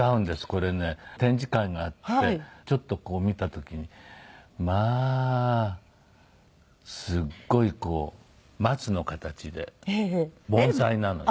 これね展示会があってちょっとこう見た時にまあすっごいこう松の形で盆栽なのよ。